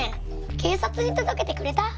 警察に届けてくれた？